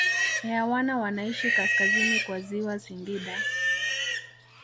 Airwana wanaishi kaskazini kwa ziwa Singida